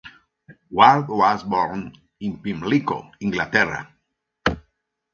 Ward was born in Pimlico, Inglaterra.